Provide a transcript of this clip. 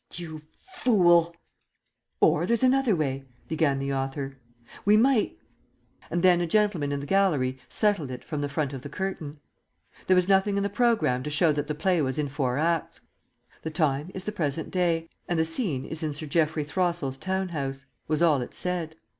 "You fool!" "Or there's another way," began the author. "We might " And then a gentleman in the gallery settled it from the front of the curtain. There was nothing in the programme to show that the play was in four acts. "The Time is the present day and the Scene is in Sir Geoffrey Throssell's town house," was all it said.